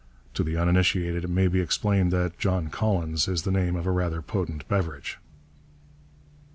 To the uninitiated it may be explained that 'John Collins' is the name of a rather potent beverage.